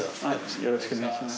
よろしくお願いします。